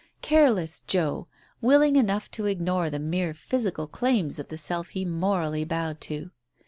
Careless Joe, willing enough to ignore the mere physical claims of the self he morally bowed to